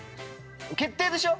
決定でしょ？